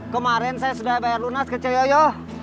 kemarin saya sudah bayar lunas ke ceyo